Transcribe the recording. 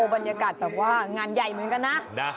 บรรยากาศแบบว่างานใหญ่เหมือนกันนะ